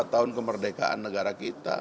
tujuh puluh empat tahun kemerdekaan negara kita